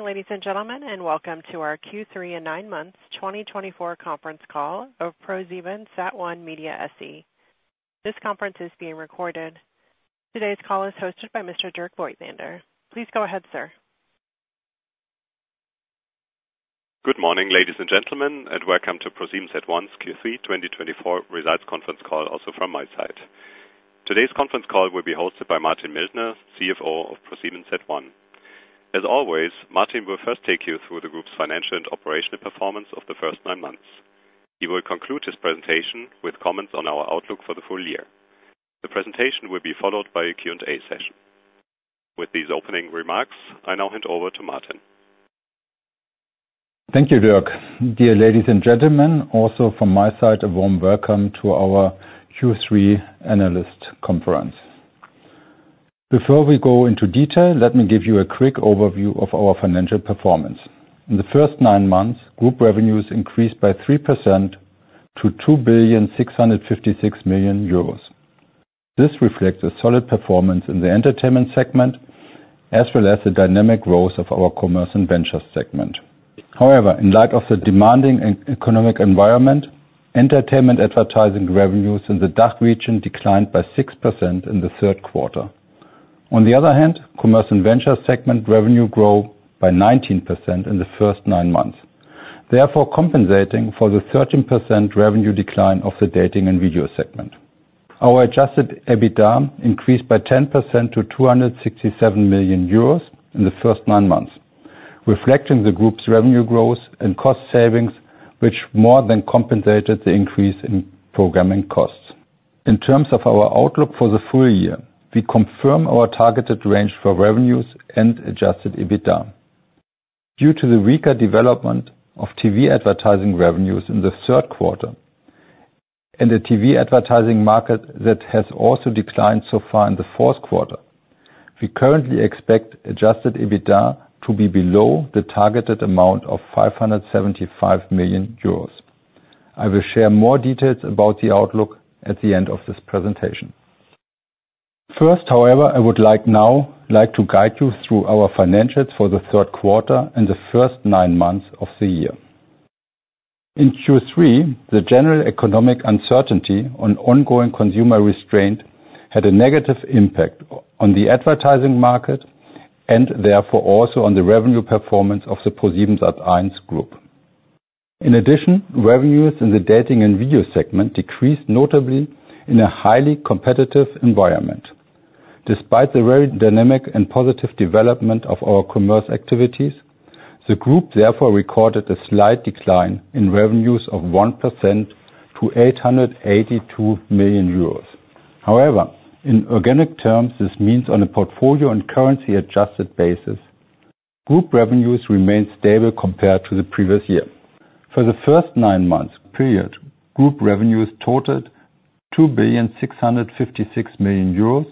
Good morning, ladies and gentlemen, and welcome to our Q3 and nine months 2024 conference call of ProSiebenSat.1 Media SE. This conference is being recorded. Today's call is hosted by Mr. Dirk Voigtländer. Please go ahead, sir. Good morning, ladies and gentlemen, and welcome to ProSiebenSat.1's Q3 2024 results conference call, also from my side. Today's conference call will be hosted by Martin Mildner, CFO of ProSiebenSat.1. As always, Martin will first take you through the group's financial and operational performance of the first nine months. He will conclude his presentation with comments on our outlook for the full year. The presentation will be followed by a Q&A session. With these opening remarks, I now hand over to Martin. Thank you, Dirk. Dear ladies and gentlemen, also from my side, a warm welcome to our Q3 analyst conference. Before we go into detail, let me give you a quick overview of our financial performance. In the first nine months, group revenues increased by 3% to 2,656,000,000 euros. This reflects a solid performance in the Entertainment segment, as well as the dynamic growth of our Commerce and Ventures segment. However, in light of the demanding economic environment, entertainment advertising revenues in the DACH region declined by 6% in the third quarter. On the other hand, Commerce and Ventures segment revenue grew by 19% in the first nine months, therefore compensating for the 13% revenue decline of the Dating and Video segment. Our adjusted EBITDA increased by 10% to 267,000,000 euros in the first nine months, reflecting the group's revenue growth and cost savings, which more than compensated the increase in programming costs. In terms of our outlook for the full year, we confirm our targeted range for revenues and adjusted EBITDA. Due to the weaker development of TV advertising revenues in the third quarter and a TV advertising market that has also declined so far in the fourth quarter, we currently expect adjusted EBITDA to be below the targeted amount of 575,000,000 euros. I will share more details about the outlook at the end of this presentation. First, however, I would like now to guide you through our financials for the third quarter and the first nine months of the year. In Q3, the general economic uncertainty on ongoing consumer restraint had a negative impact on the advertising market and therefore also on the revenue performance of the ProSiebenSat.1 group. In addition, revenues in the Dating and Video segment decreased notably in a highly competitive environment. Despite the very dynamic and positive development of our commerce activities, the group therefore recorded a slight decline in revenues of 1% to 882,000,000 euros. However, in organic terms, this means on a portfolio and currency-adjusted basis, group revenues remained stable compared to the previous year. For the first nine months period, group revenues totaled 2,656,000,000 euros,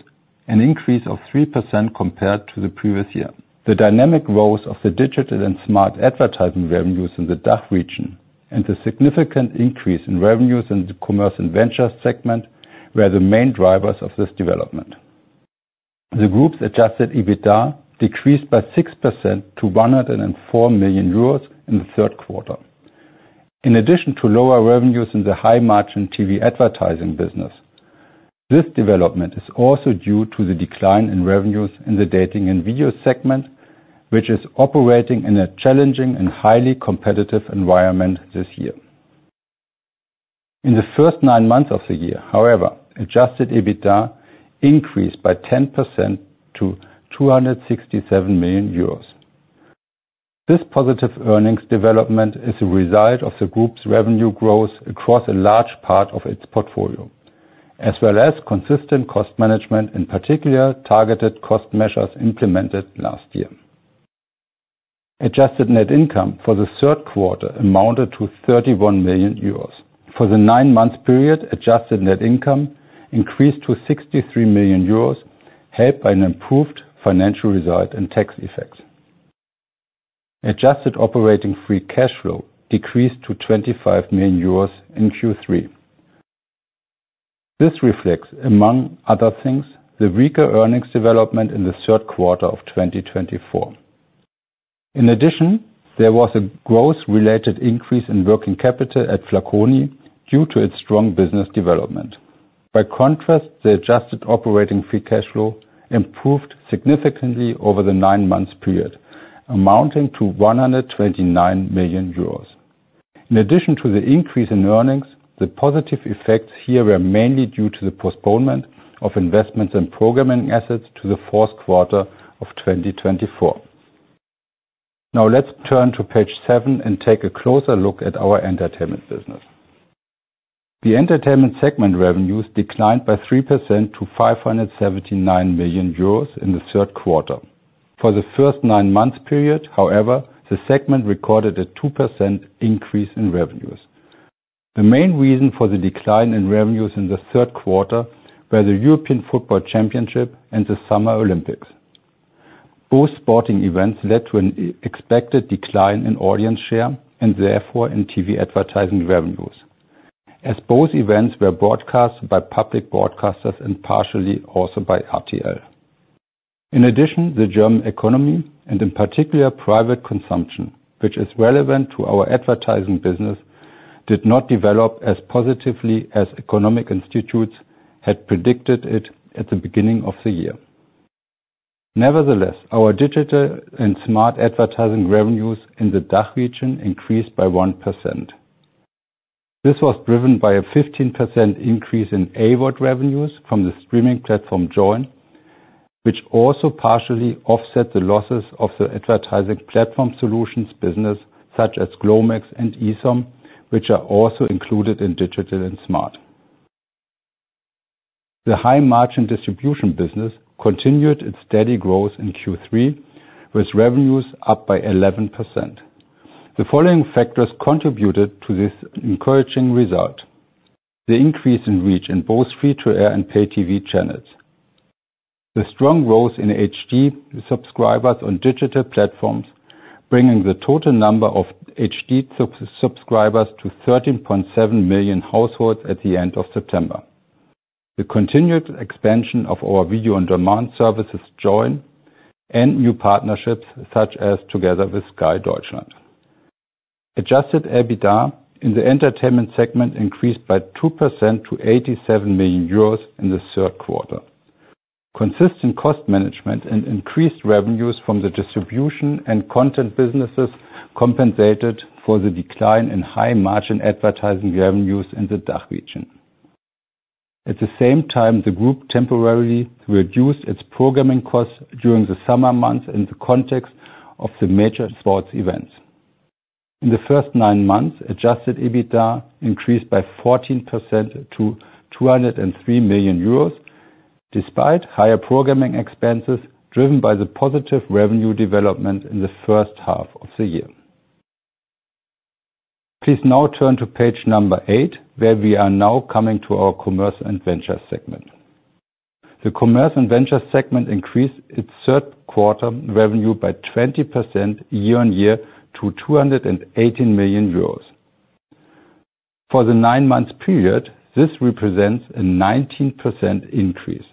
an increase of 3% compared to the previous year. The dynamic growth of the digital and smart advertising revenues in the DACH region and the significant increase in revenues in the Commerce and Ventures segment were the main drivers of this development. The group's adjusted EBITDA decreased by 6% to 104,000,000 euros in the third quarter, in addition to lower revenues in the high-margin TV advertising business. This development is also due to the decline in revenues in the Dating and Video segment, which is operating in a challenging and highly competitive environment this year. In the first nine months of the year, however, adjusted EBITDA increased by 10% to 267,000,000 euros. This positive earnings development is a result of the group's revenue growth across a large part of its portfolio, as well as consistent cost management, in particular targeted cost measures implemented last year. Adjusted net income for the third quarter amounted to 31,000,000 euros. For the nine-month period, adjusted net income increased to 63,000,000 euros, helped by an improved financial result and tax effects. Adjusted operating free cash flow decreased to 25,000,000 euros in Q3. This reflects, among other things, the weaker earnings development in the third quarter of 2024. In addition, there was a growth-related increase in working capital at Flaconi due to its strong business development. By contrast, the adjusted operating free cash flow improved significantly over the nine-month period, amounting to 129,000,000 euros. In addition to the increase in earnings, the positive effects here were mainly due to the postponement of investments and programming assets to the fourth quarter of 2024. Now let's turn to page seven and take a closer look at our Entertainment business. The Entertainment segment revenues declined by 3% to 579,000,000 euros in the third quarter. For the first nine months period, however, the segment recorded a 2% increase in revenues. The main reason for the decline in revenues in the third quarter were the European Football Championship and the Summer Olympics. Both sporting events led to an expected decline in audience share and therefore in TV advertising revenues, as both events were broadcast by public broadcasters and partially also by RTL. In addition, the German economy, and in particular private consumption, which is relevant to our advertising business, did not develop as positively as economic institutes had predicted it at the beginning of the year. Nevertheless, our digital and smart advertising revenues in the DACH region increased by 1%. This was driven by a 15% increase in AVOD revenues from the streaming platform Joyn, which also partially offset the losses of the advertising platform solutions business, such as Glomex and esome, which are also included in digital and smart. The high-margin distribution business continued its steady growth in Q3, with revenues up by 11%. The following factors contributed to this encouraging result: the increase in reach in both free-to-air and pay-TV channels, the strong growth in HD subscribers on digital platforms, bringing the total number of HD subscribers to 13.7 million households at the end of September, the continued expansion of our video on-demand services Joyn, and new partnerships, such as together with Sky Deutschland. Adjusted EBITDA in the Entertainment segment increased by 2% to 87,000,000 euros in the third quarter. Consistent cost management and increased revenues from the distribution and content businesses compensated for the decline in high-margin advertising revenues in the DACH region. At the same time, the group temporarily reduced its programming costs during the summer months in the context of the major sports events. In the first nine months, adjusted EBITDA increased by 14% to 203,000,000 euros, despite higher programming expenses driven by the positive revenue development in the first half of the year. Please now turn to page number eight, where we are now coming to our Commerce and Ventures segment. The Commerce and Ventures segment increased its third quarter revenue by 20% year-on-year to 218,000,000 euros. For the nine-month period, this represents a 19% increase.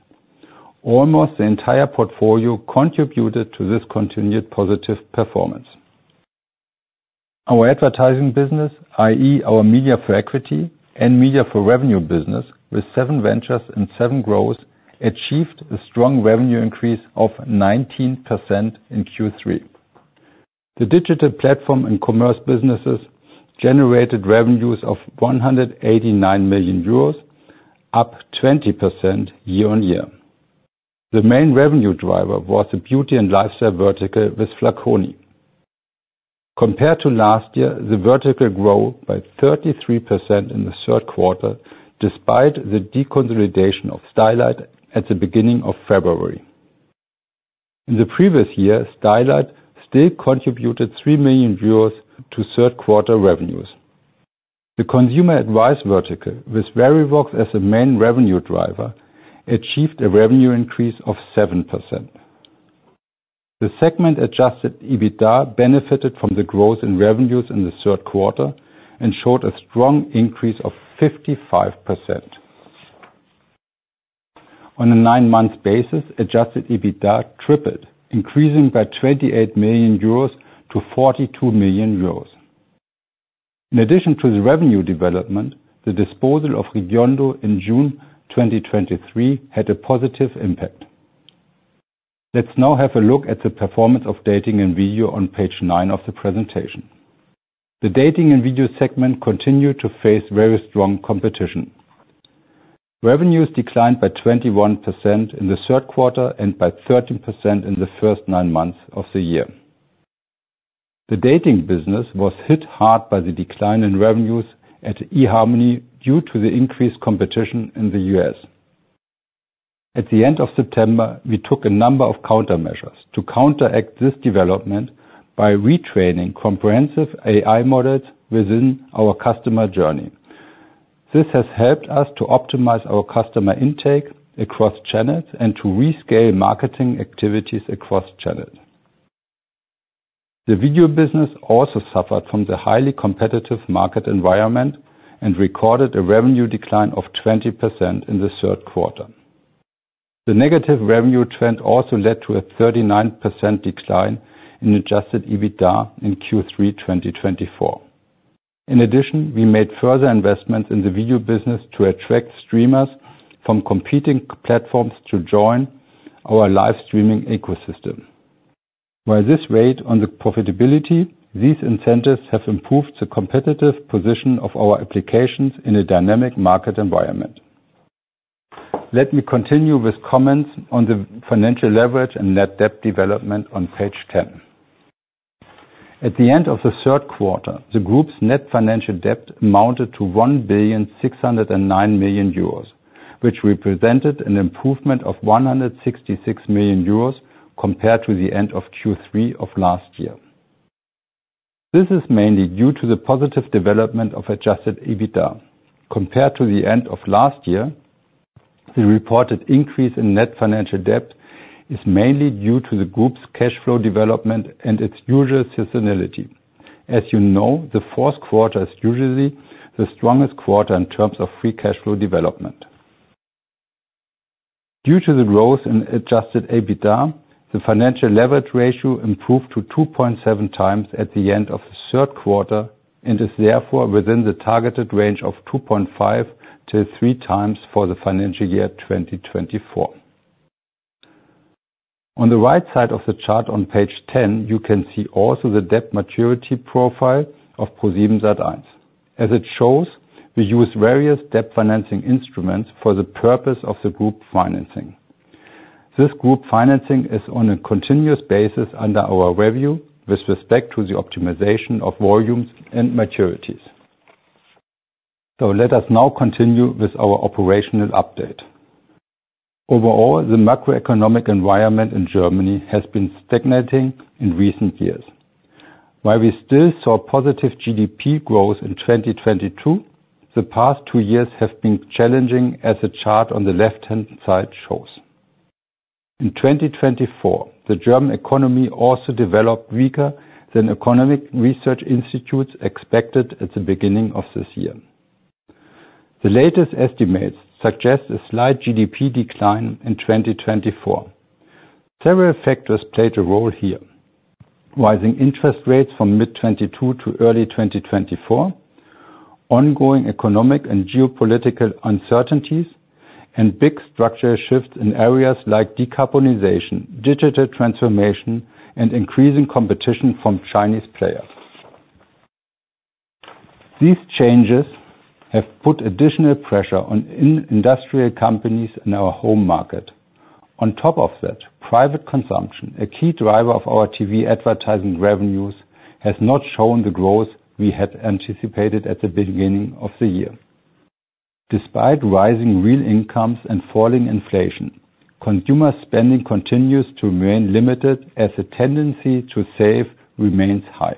Almost the entire portfolio contributed to this continued positive performance. Our advertising business, i.e., our media for equity and media for revenue business, with SevenVentures and SevenGrowth, achieved a strong revenue increase of 19% in Q3. The digital platform and commerce businesses generated revenues of 189,000,000 euros, up 20% year-on-year. The main revenue driver was the beauty and lifestyle vertical with Flaconi. Compared to last year, the vertical grew by 33% in the third quarter, despite the deconsolidation of Stylight at the beginning of February. In the previous year, Stylight still contributed 3,000,000 euros to third quarter revenues. The consumer advice vertical, with Verivox as the main revenue driver, achieved a revenue increase of 7%. The segment adjusted EBITDA benefited from the growth in revenues in the third quarter and showed a strong increase of 55%. On a nine-month basis, adjusted EBITDA tripled, increasing by 28,000,000 euros to 42,000,000 euros. In addition to the revenue development, the disposal of Regiondo in June 2023 had a positive impact. Let's now have a look at the performance of Dating and Video on page nine of the presentation. The Dating and Video segment continued to face very strong competition. Revenues declined by 21% in the third quarter and by 13% in the first nine months of the year. The Dating business was hit hard by the decline in revenues at eharmony due to the increased competition in the U.S. At the end of September, we took a number of countermeasures to counteract this development by retraining comprehensive AI models within our customer journey. This has helped us to optimize our customer intake across channels and to rescale marketing activities across channels. The Video business also suffered from the highly competitive market environment and recorded a revenue decline of 20% in the third quarter. The negative revenue trend also led to a 39% decline in adjusted EBITDA in Q3 2024. In addition, we made further investments in the Video business to attract streamers from competing platforms to join our live streaming ecosystem. While this weighed on the profitability, these incentives have improved the competitive position of our applications in a dynamic market environment. Let me continue with comments on the financial leverage and net debt development on page 10. At the end of the third quarter, the group's net financial debt amounted to 1,609,000,000 euros, which represented an improvement of 166,000,000 euros compared to the end of Q3 of last year. This is mainly due to the positive development of adjusted EBITDA. Compared to the end of last year, the reported increase in net financial debt is mainly due to the group's cash flow development and its usual seasonality. As you know, the fourth quarter is usually the strongest quarter in terms of free cash flow development. Due to the growth in adjusted EBITDA, the financial leverage ratio improved to 2.7x at the end of the third quarter and is therefore within the targeted range of 2.5x-3x for the financial year 2024. On the right side of the chart on page 10, you can see also the debt maturity profile of ProSiebenSat.1. As it shows, we use various debt financing instruments for the purpose of the group financing. This group financing is on a continuous basis under review with respect to the optimization of volumes and maturities. So let us now continue with our operational update. Overall, the macroeconomic environment in Germany has been stagnating in recent years. While we still saw positive GDP growth in 2022, the past two years have been challenging, as the chart on the left-hand side shows. In 2024, the German economy also developed weaker than economic research institutes expected at the beginning of this year. The latest estimates suggest a slight GDP decline in 2024. Several factors played a role here: rising interest rates from mid-2022 to early 2024, ongoing economic and geopolitical uncertainties, and big structural shifts in areas like decarbonization, digital transformation, and increasing competition from Chinese players. These changes have put additional pressure on industrial companies in our home market. On top of that, private consumption, a key driver of our TV advertising revenues, has not shown the growth we had anticipated at the beginning of the year. Despite rising real incomes and falling inflation, consumer spending continues to remain limited as the tendency to save remains high.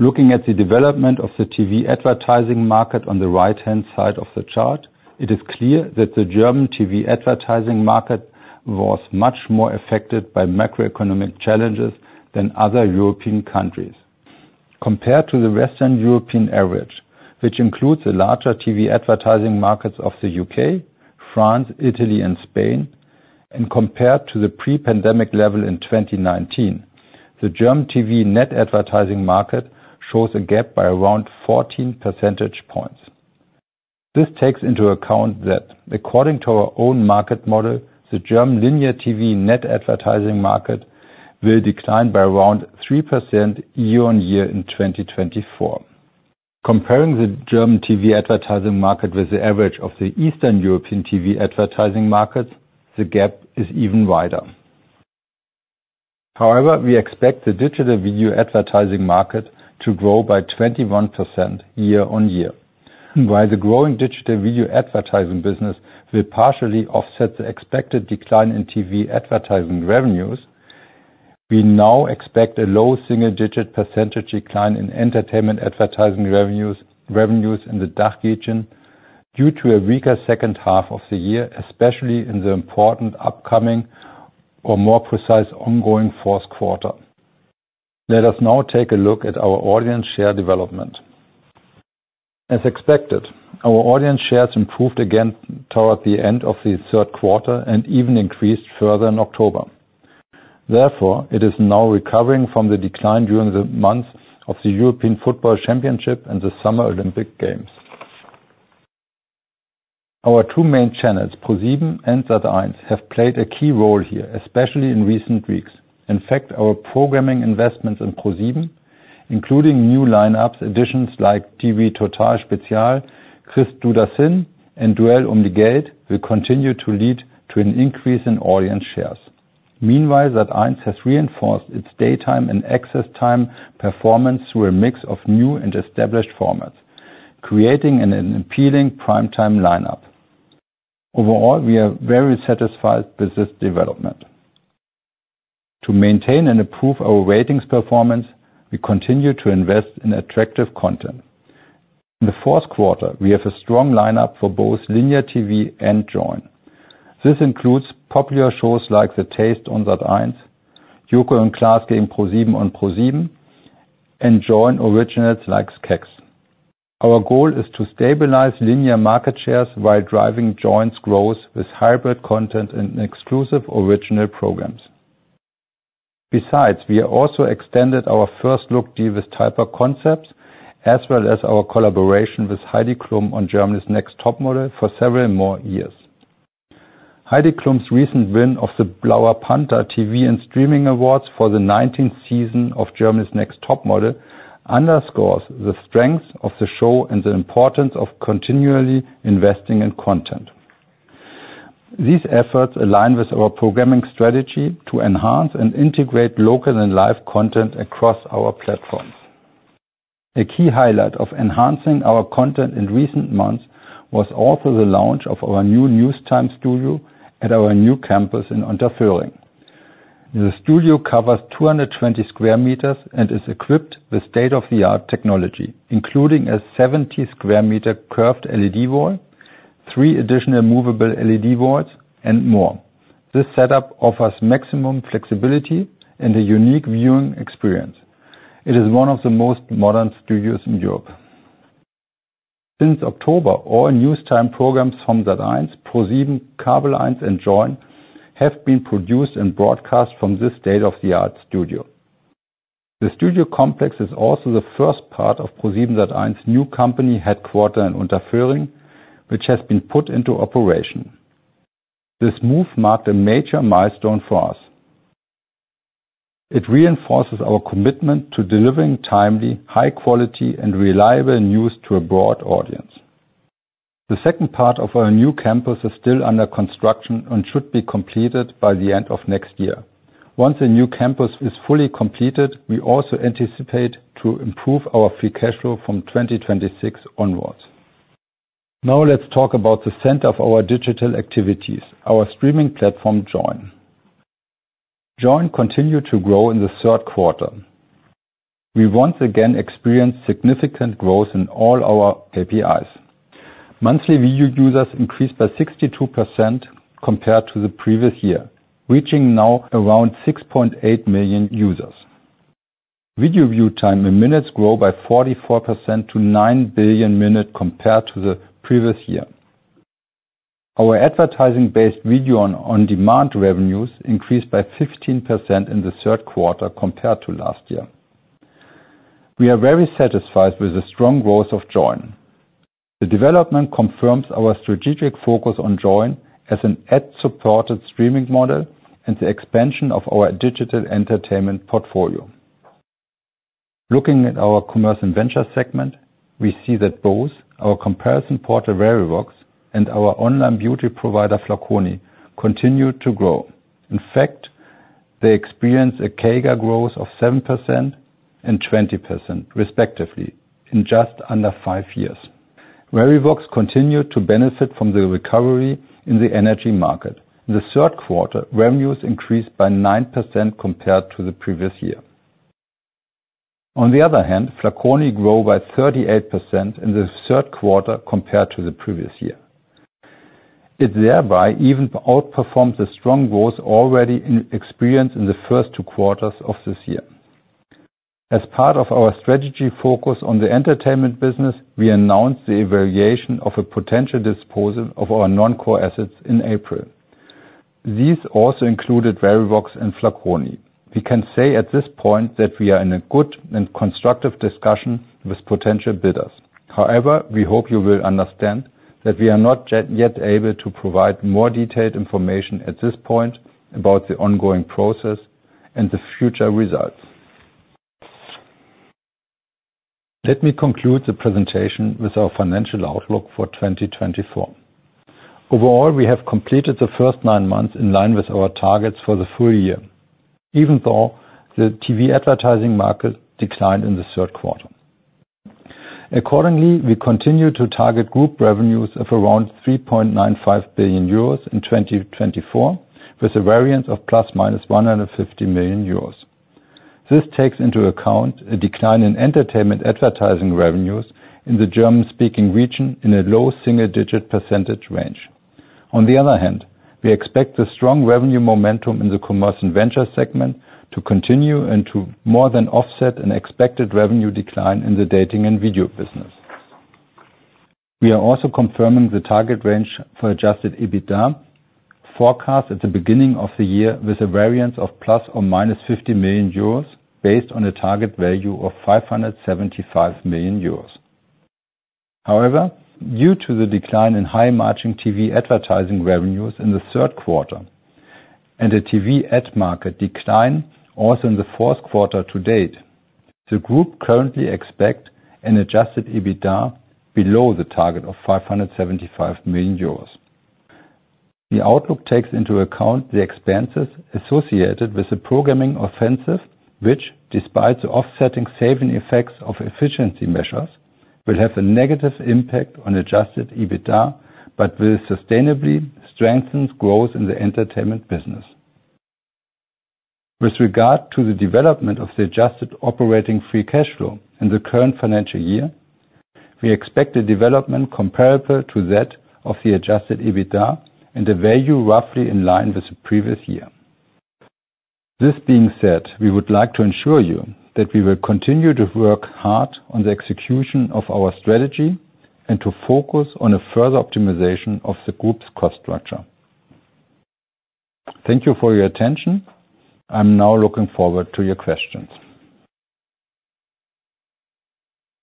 Looking at the development of the TV advertising market on the right-hand side of the chart, it is clear that the German TV advertising market was much more affected by macroeconomic challenges than other European countries. Compared to the Western European average, which includes the larger TV advertising markets of the U.K., France, Italy, and Spain, and compared to the pre-pandemic level in 2019, the German TV net advertising market shows a gap by around 14 percentage points. This takes into account that, according to our own market model, the German linear TV net advertising market will decline by around 3% year-on-year in 2024. Comparing the German TV advertising market with the average of the Eastern European TV advertising markets, the gap is even wider. However, we expect the digital video advertising market to grow by 21% year-on-year. While the growing digital video advertising business will partially offset the expected decline in TV advertising revenues, we now expect a low single-digit percentage decline in entertainment advertising revenues in the DACH region due to a weaker second half of the year, especially in the important upcoming, or more precise, ongoing fourth quarter. Let us now take a look at our audience share development. As expected, our audience shares improved again toward the end of the third quarter and even increased further in October. Therefore, it is now recovering from the decline during the months of the European Football Championship and the Summer Olympic Games. Our two main channels, ProSieben and Sat.1, have played a key role here, especially in recent weeks. In fact, our programming investments in ProSieben, including new lineups, editions like TV total Spezial, Kriegst du das hin?, and Das Duell um die Welt, will continue to lead to an increase in audience shares. Meanwhile, Sat.1 has reinforced its daytime and evening time performance through a mix of new and established formats, creating an appealing primetime lineup. Overall, we are very satisfied with this development. To maintain and improve our ratings performance, we continue to invest in attractive content. In the fourth quarter, we have a strong lineup for both linear TV and Joyn. This includes popular shows like The Taste on Sat.1, Joko & Klaas gegen ProSieben on ProSieben, and Joyn Originals like KEKs. Our goal is to stabilize linear market shares while driving Joyn's growth with hybrid content and exclusive original programs. Besides, we have also extended our first-look deal with Talpa Concepts, as well as our collaboration with Heidi Klum on Germany's Next Topmodel for several more years. Heidi Klum's recent win of the Blauer Panther TV and Streaming Award for the 19th season of Germany's Next Topmodel underscores the strength of the show and the importance of continually investing in content. These efforts align with our programming strategy to enhance and integrate local and live content across our platforms. A key highlight of enhancing our content in recent months was also the launch of our new :newstime studio at our new campus in Unterföhring. The studio covers 220 sq m and is equipped with state-of-the-art technology, including a 70 sq m curved LED wall, three additional movable LED walls, and more. This setup offers maximum flexibility and a unique viewing experience. It is one of the most modern studios in Europe. Since October, all :newstime programs from Sat.1, ProSieben, Kabel Eins and Joyn have been produced and broadcast from this state-of-the-art studio. The studio complex is also the first part of ProSiebenSat.1's new company headquarters in Unterföhring, which has been put into operation. This move marked a major milestone for us. It reinforces our commitment to delivering timely, high-quality, and reliable news to a broad audience. The second part of our new campus is still under construction and should be completed by the end of next year. Once the new campus is fully completed, we also anticipate to improve our free cash flow from 2026 onwards. Now let's talk about the center of our digital activities, our streaming platform Joyn. Joyn continued to grow in the third quarter. We once again experienced significant growth in all our KPIs. Monthly video users increased by 62% compared to the previous year, reaching now around 6.8 million users. Video view time in minutes grew by 44% to 9 billion minutes compared to the previous year. Our advertising-based video on demand revenues increased by 15% in the third quarter compared to last year. We are very satisfied with the strong growth of Joyn. The development confirms our strategic focus on Joyn as an ad-supported streaming model and the expansion of our digital entertainment portfolio. Looking at our Commerce and Ventures segment, we see that both our comparison partner, Verivox, and our online beauty provider, Flaconi, continued to grow. In fact, they experienced a CAGR growth of 7% and 20% respectively in just under five years. Verivox continued to benefit from the recovery in the energy market. In the third quarter, revenues increased by 9% compared to the previous year. On the other hand, Flaconi grew by 38% in the third quarter compared to the previous year. It thereby even outperformed the strong growth already experienced in the first two quarters of this year. As part of our strategy focus on the Entertainment business, we announced the evaluation of a potential disposal of our non-core assets in April. These also included Verivox and Flaconi. We can say at this point that we are in a good and constructive discussion with potential bidders. However, we hope you will understand that we are not yet able to provide more detailed information at this point about the ongoing process and the future results. Let me conclude the presentation with our financial outlook for 2024. Overall, we have completed the first nine months in line with our targets for the full year, even though the TV advertising market declined in the third quarter. Accordingly, we continue to target group revenues of around 3.95 billion euros in 2024, with a variance of ±150 million euros. This takes into account a decline in entertainment advertising revenues in the German-speaking region in a low single-digit percentage range. On the other hand, we expect the strong revenue momentum in the Commerce and Ventures segment to continue and to more than offset an expected revenue decline in the Dating and Video business. We are also confirming the target range for adjusted EBITDA forecast at the beginning of the year with a variance of ±50 million euros based on a target value of 575 million euros. However, due to the decline in high-margin TV advertising revenues in the third quarter and a TV ad market decline also in the fourth quarter to date, the group currently expects an adjusted EBITDA below the target of 575 million euros. The outlook takes into account the expenses associated with the programming offensive, which, despite the offsetting saving effects of efficiency measures, will have a negative impact on adjusted EBITDA but will sustainably strengthen growth in the Entertainment business. With regard to the development of the adjusted operating free cash flow in the current financial year, we expect a development comparable to that of the adjusted EBITDA and a value roughly in line with the previous year. This being said, we would like to ensure you that we will continue to work hard on the execution of our strategy and to focus on a further optimization of the group's cost structure. Thank you for your attention. I'm now looking forward to your questions.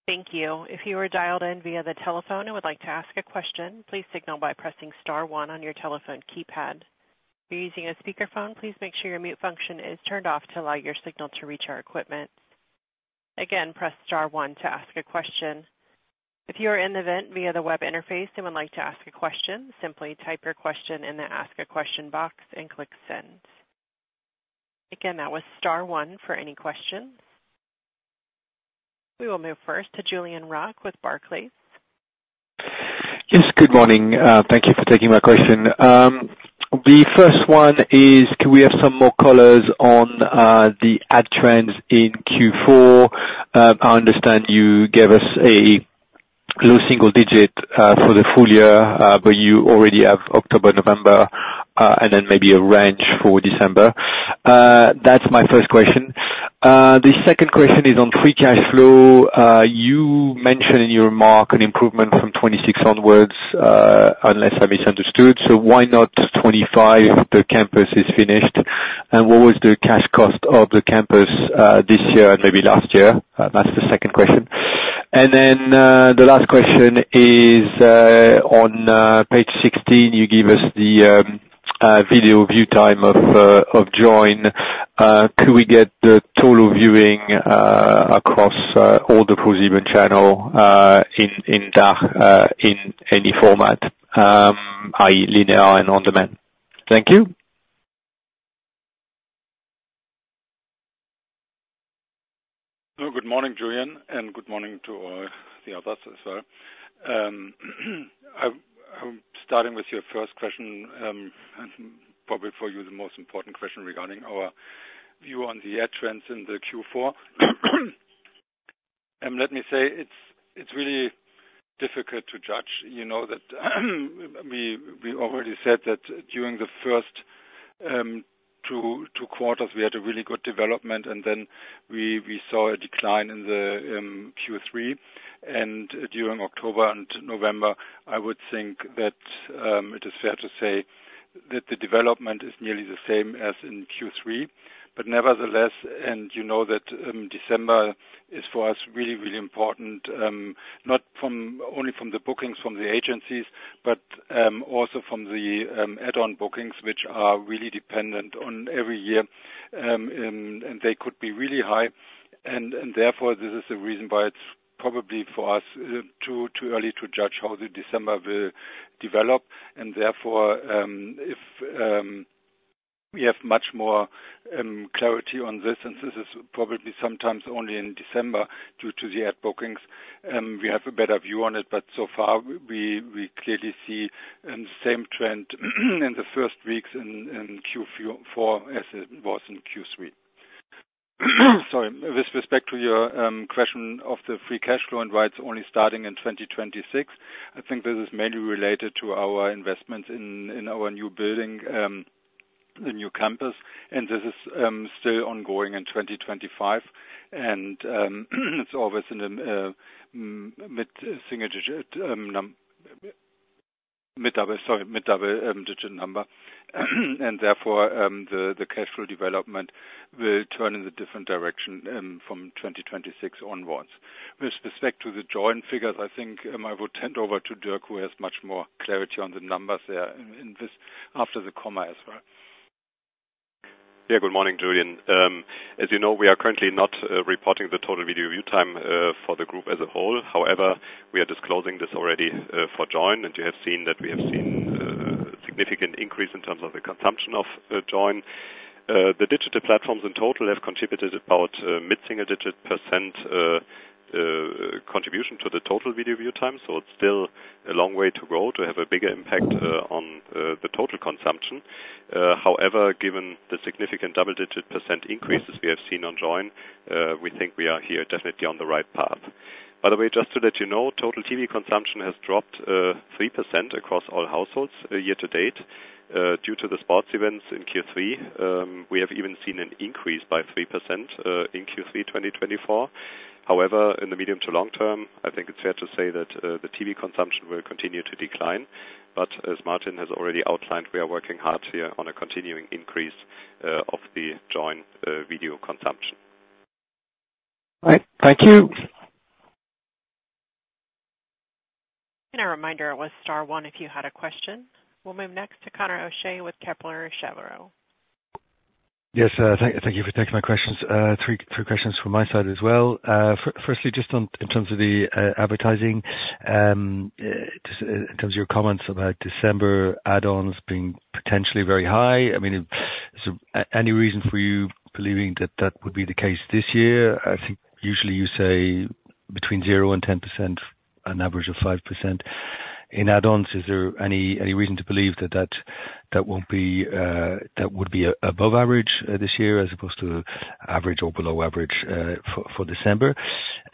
Thank you. If you are dialed in via the telephone and would like to ask a question, please signal by pressing star one on your telephone keypad. If you're using a speakerphone, please make sure your mute function is turned off to allow your signal to reach our equipment. Again, press star one to ask a question. If you are in the event via the web interface and would like to ask a question, simply type your question in the ask a question box and click send. Again, that was star one for any questions. We will move first to Julien Roch with Barclays. Yes, good morning. Thank you for taking my question. The first one is, can we have some more colors on the ad trends in Q4? I understand you gave us a low single-digit for the full year, but you already have October, November, and then maybe a range for December. That's my first question. The second question is on free cash flow. You mentioned in your remark an improvement from 2026 onwards, unless I misunderstood. So why not 2025 if the campus is finished? And what was the cash cost of the campus this year and maybe last year? That's the second question. And then the last question is, on page 16, you gave us the video view time of Joyn. Could we get the total viewing across all the ProSieben channel in any format, i.e., linear and on demand? Thank you. Good morning, Julien, and good morning to the others as well. Starting with your first question, probably for you the most important question regarding our view on the ad trends in the Q4. Let me say it's really difficult to judge. We already said that during the first two quarters, we had a really good development, and then we saw a decline in the Q3. During October and November, I would think that it is fair to say that the development is nearly the same as in Q3. Nevertheless, and you know that December is for us really, really important, not only from the bookings from the agencies, but also from the add-on bookings, which are really dependent on every year, and they could be really high. Therefore, this is the reason why it's probably for us too early to judge how the December will develop. And therefore, if we have much more clarity on this, and this is probably sometimes only in December due to the ad bookings, we have a better view on it. But so far, we clearly see the same trend in the first weeks in Q4 as it was in Q3. Sorry, with respect to your question of the free cash flow and why it's only starting in 2026, I think this is mainly related to our investments in our new building, the new campus. And this is still ongoing in 2025, and it's always in the mid-double digit number. And therefore, the cash flow development will turn in a different direction from 2026 onwards. With respect to the Joyn figures, I think I would turn it over to Dirk, who has much more clarity on the numbers there after the comma as well. Yeah, good morning, Julien. As you know, we are currently not reporting the total video view time for the group as a whole. However, we are disclosing this already for Joyn, and you have seen that we have seen a significant increase in terms of the consumption of Joyn. The digital platforms in total have contributed about a mid-single digit percent contribution to the total video view time. So it's still a long way to go to have a bigger impact on the total consumption. However, given the significant double-digit percent increases we have seen on Joyn, we think we are here definitely on the right path. By the way, just to let you know, total TV consumption has dropped 3% across all households year to date due to the sports events in Q3. We have even seen an increase by 3% in Q3 2024. However, in the medium to long-term, I think it's fair to say that the TV consumption will continue to decline, but as Martin has already outlined, we are working hard here on a continuing increase of the Joyn video consumption. All right. Thank you. A reminder, it was star one if you had a question. We'll move next to Conor O'Shea with Kepler Cheuvreux. Yes, thank you for taking my questions. Three questions from my side as well. Firstly, just in terms of the advertising, in terms of your comments about December add-ons being potentially very high, I mean, is there any reason for you believing that that would be the case this year? I think usually you say between 0% and 10%, an average of 5% in add-ons. Is there any reason to believe that that would be above average this year as opposed to average or below average for December?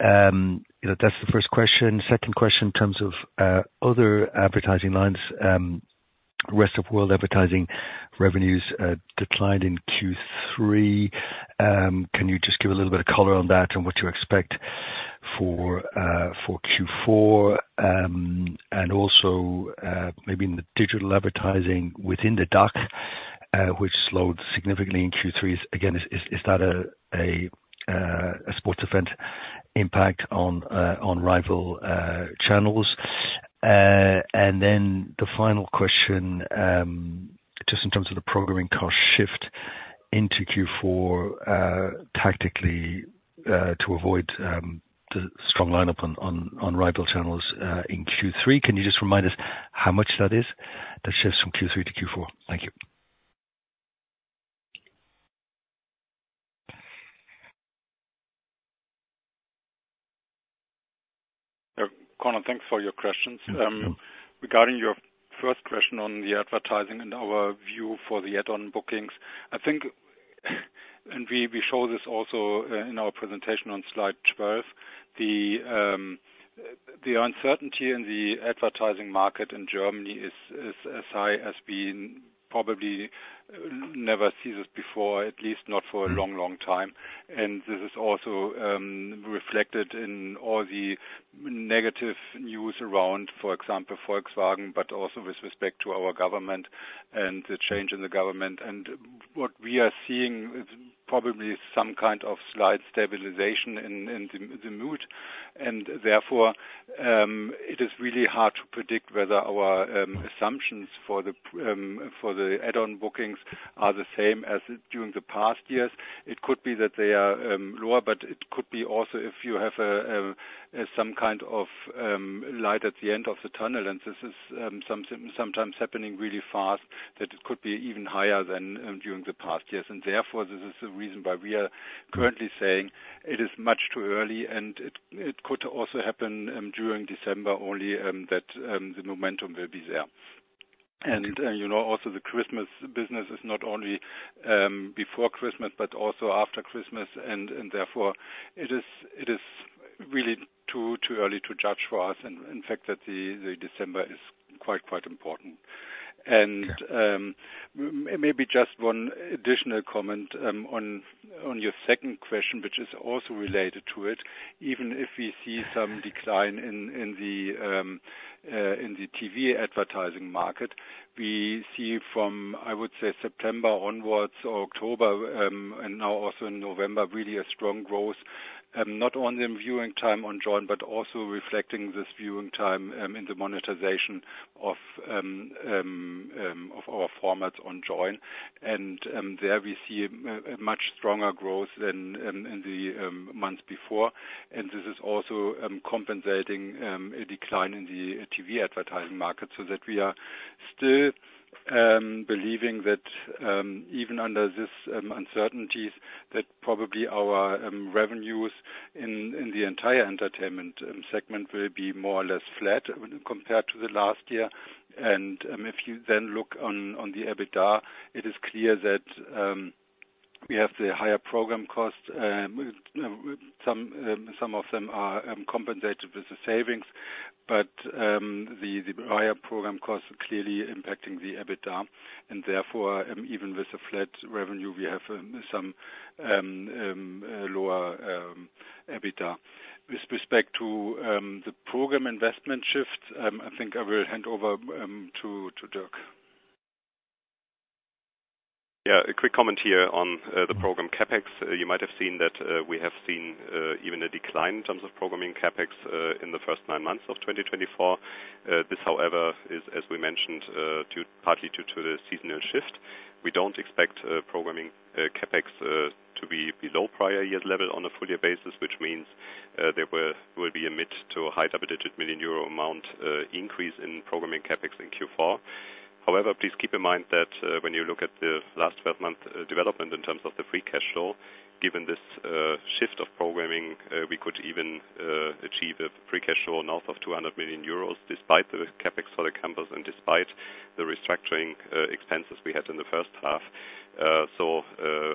That's the first question. Second question, in terms of other advertising lines, rest of world advertising revenues declined in Q3. Can you just give a little bit of color on that and what you expect for Q4? And also maybe in the digital advertising within the DACH, which slowed significantly in Q3. Again, is that a sports event impact on rival channels? And then the final question, just in terms of the programming cost shift into Q4 tactically to avoid the strong lineup on rival channels in Q3. Can you just remind us how much that is, that shifts from Q3 to Q4? Thank you. Conor, thanks for your questions. Regarding your first question on the advertising and our view for the add-on bookings, I think, and we show this also in our presentation on slide 12, the uncertainty in the advertising market in Germany is as high as we probably never see this before, at least not for a long, long time. And this is also reflected in all the negative news around, for example, Volkswagen, but also with respect to our government and the change in the government. And what we are seeing is probably some kind of slight stabilization in the mood. And therefore, it is really hard to predict whether our assumptions for the add-on bookings are the same as during the past years. It could be that they are lower, but it could be also if you have some kind of light at the end of the tunnel, and this is sometimes happening really fast, that it could be even higher than during the past years. And therefore, this is the reason why we are currently saying it is much too early, and it could also happen during December only that the momentum will be there. And also the Christmas business is not only before Christmas, but also after Christmas. And therefore, it is really too early to judge for us, in fact, that the December is quite, quite important. And maybe just one additional comment on your second question, which is also related to it. Even if we see some decline in the TV advertising market, we see from, I would say, September onwards or October and now also in November, really a strong growth, not only in viewing time on Joyn, but also reflecting this viewing time in the monetization of our formats on Joyn. And there we see a much stronger growth than in the months before. And this is also compensating a decline in the TV advertising market so that we are still believing that even under these uncertainties, that probably our revenues in the entire Entertainment segment will be more or less flat compared to the last year. And if you then look on the EBITDA, it is clear that we have the higher program cost. Some of them are compensated with the savings, but the higher program costs are clearly impacting the EBITDA. Therefore, even with a flat revenue, we have some lower EBITDA. With respect to the program investment shift, I think I will hand over to Dirk. Yeah, a quick comment here on the program CapEx. You might have seen that we have seen even a decline in terms of programming CapEx in the first nine months of 2024. This, however, is, as we mentioned, partly due to the seasonal shift. We don't expect programming CapEx to be below prior year's level on a full-year basis, which means there will be a mid to high double-digit million euro amount increase in programming CapEx in Q4. However, please keep in mind that when you look at the last 12-month development in terms of the free cash flow, given this shift of programming, we could even achieve a free cash flow north of 200 million euros despite the CapEx for the campus and despite the restructuring expenses we had in the first half. So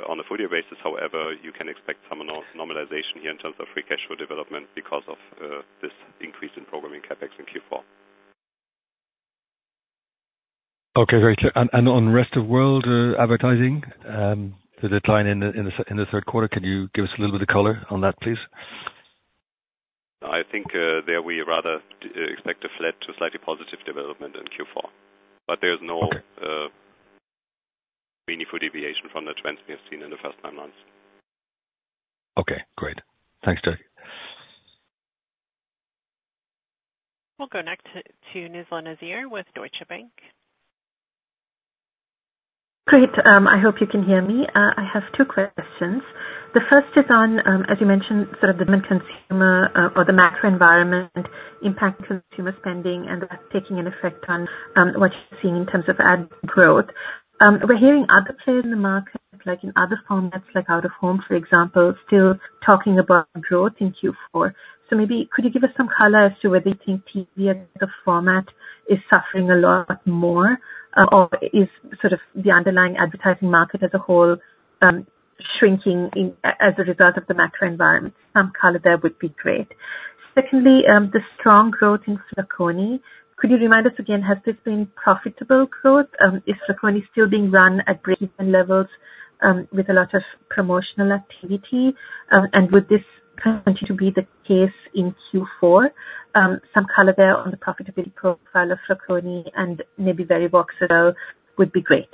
on a full-year basis, however, you can expect some normalization here in terms of free cash flow development because of this increase in programming CapEx in Q4. Okay, great. And on rest of world advertising, the decline in the third quarter, can you give us a little bit of color on that, please? I think there we rather expect a flat to slightly positive development in Q4. But there's no meaningful deviation from the trends we have seen in the first nine months. Okay, great. Thanks, Dirk. We'll go next to Nizla Naizer with Deutsche Bank. Great. I hope you can hear me. I have two questions. The first is on, as you mentioned, sort of the macro environment impacting consumer spending and that's taking an effect on what you're seeing in terms of ad growth. We're hearing other players in the market, like in other formats, like out of home, for example, still talking about growth in Q4. So maybe could you give us some color as to whether you think TV as a format is suffering a lot more, or is sort of the underlying advertising market as a whole shrinking as a result of the macro environment? Some color there would be great. Secondly, the strong growth in Flaconi. Could you remind us again, has this been profitable growth? Is Flaconi still being run at break-even levels with a lot of promotional activity? Would this continue to be the case in Q4? Some color there on the profitability profile of Flaconi and maybe Verivox as well would be great.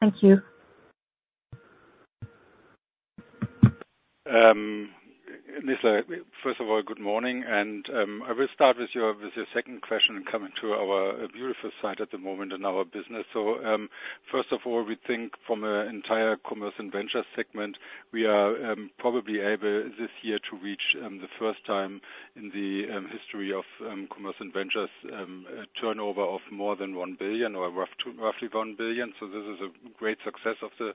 Thank you. Nizla, first of all, good morning. I will start with your second question coming to the Verivox side at the moment in our business. So first of all, we think from an entire Commerce and Ventures segment, we are probably able this year to reach the first time in the history of Commerce and Ventures a turnover of more than 1 billion or roughly 1 billion. So this is a great success of the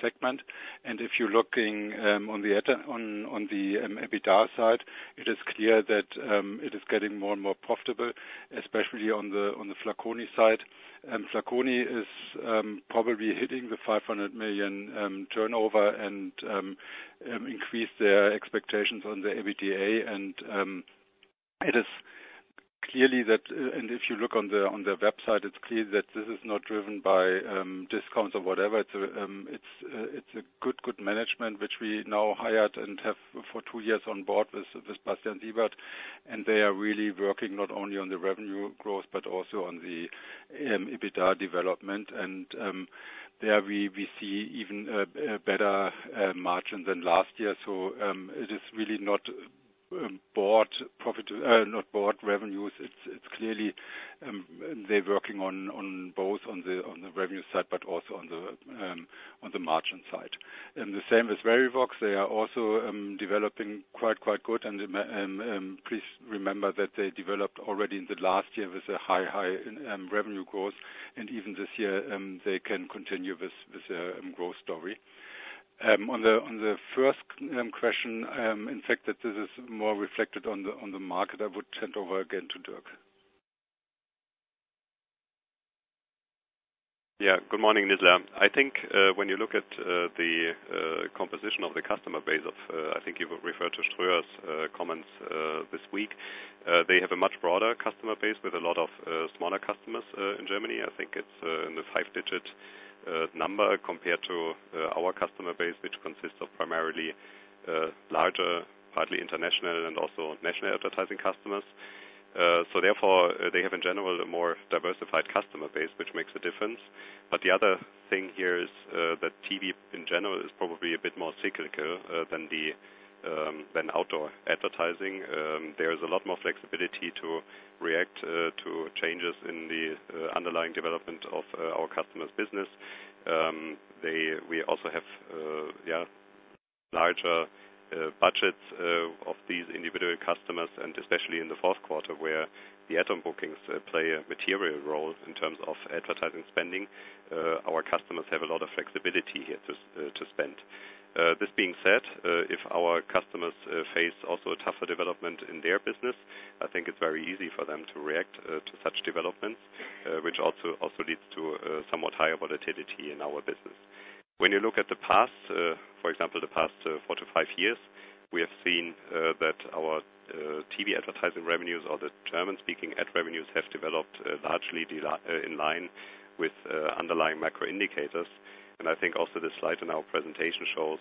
segment. If you're looking on the EBITDA side, it is clear that it is getting more and more profitable, especially on the Flaconi side. Flaconi is probably hitting the 500 million turnover and increased their expectations on the EBITDA. And it is clear that, and if you look on their website, it's clear that this is not driven by discounts or whatever. It's a good management, which we now hired and have for two years on board with ProSiebenSat.1. And they are really working not only on the revenue growth, but also on the EBITDA development. And there we see even better margins than last year. So it is really not broad revenues. It's clearly they're working on both on the revenue side, but also on the margin side. And the same with Verivox. They are also developing quite, quite good. And please remember that they developed already in the last year with a high, high revenue growth. And even this year, they can continue with their growth story. On the first question, in fact, that this is more reflected on the market, I would turn it over again to Dirk. Yeah, good morning, Nizla. I think when you look at the composition of the customer base of, I think you referred to Ströer's comments this week, they have a much broader customer base with a lot of smaller customers in Germany. I think it's in the five-digit number compared to our customer base, which consists of primarily larger, partly international, and also national advertising customers. So therefore, they have in general a more diversified customer base, which makes a difference. But the other thing here is that TV in general is probably a bit more cyclical than outdoor advertising. There is a lot more flexibility to react to changes in the underlying development of our customers' business. We also have, yeah, larger budgets of these individual customers, and especially in the fourth quarter where the add-on bookings play a material role in terms of advertising spending. Our customers have a lot of flexibility here to spend. This being said, if our customers face also a tougher development in their business, I think it's very easy for them to react to such developments, which also leads to somewhat higher volatility in our business. When you look at the past, for example, the past four to five years, we have seen that our TV advertising revenues or the German-speaking ad revenues have developed largely in line with underlying macro indicators, and I think also this slide in our presentation shows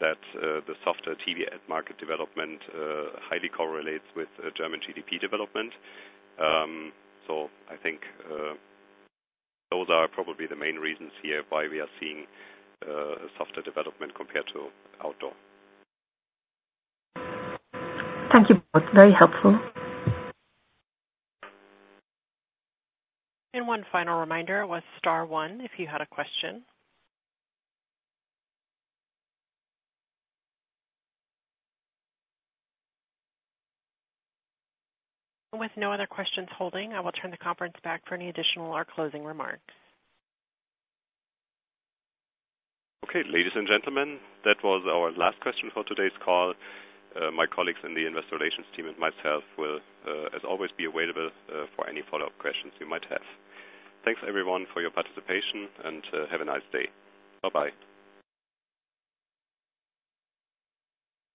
that the softer TV ad market development highly correlates with German GDP development. So I think those are probably the main reasons here why we are seeing a softer development compared to outdoor. Thank you both. Very helpful. And one final reminder with star one if you had a question. With no other questions holding, I will turn the conference back for any additional or closing remarks. Okay, ladies and gentlemen, that was our last question for today's call. My colleagues in the investor relations team and myself will, as always, be available for any follow-up questions you might have. Thanks, everyone, for your participation, and have a nice day. Bye-bye.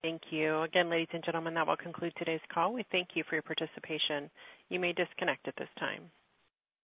Thank you. Again, ladies and gentlemen, that will conclude today's call. We thank you for your participation. You may disconnect at this time.